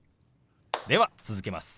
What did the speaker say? では続けます。